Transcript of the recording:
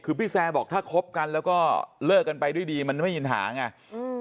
คือพี่แซร์บอกถ้าคบกันแล้วก็เลิกกันไปด้วยดีมันไม่มีปัญหาไงอืม